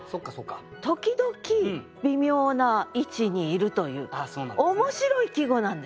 時々微妙な位置にいるという面白い季語なんですよ。